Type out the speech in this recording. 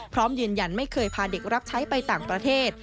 พร้อมยืนยันไม่เคยพาเด็กรับใช้ไปต่างประเทศ